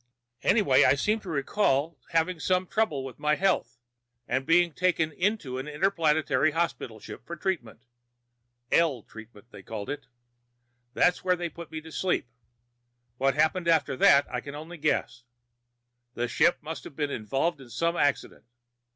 "Anyway, I seem to recall having some trouble with my health, and being taken onto an inter planetary hospital ship for treatment L treatment, they called it. That's where they put me to sleep. What happened after that, I can only guess. The ship must have been involved in some accident.